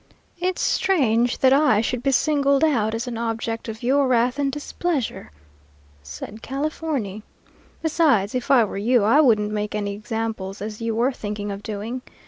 "'It's strange that I should be signaled out as an object of your wrath and displeasure,' said Californy. 'Besides, if I were you, I wouldn't make any examples as you were thinking of doing.